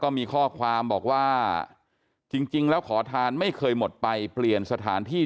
มีข้อความบอกว่าจริงแล้วขอทานไม่เคยหมดไปเปลี่ยนสถานที่